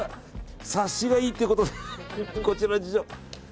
察しがいいということでこちらの事情。